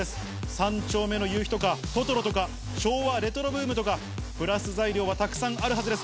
三丁目の夕日とか、トトロとか、昭和レトロブームとか、プラス材料はたくさんあるはずです。